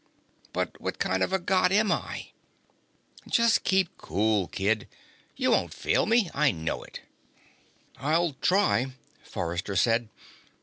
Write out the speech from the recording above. "But what kind of a God am I?" "Just keep cool, kid. You won't fail me I know it." "I'll try," Forrester said.